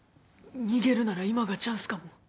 逃げるなら今がチャンスかも。